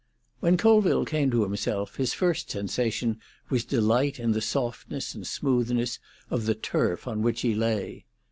XXI When Colville came to himself his first sensation was delight in the softness and smoothness of the turf on which he lay.